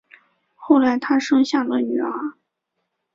后来他生下了女儿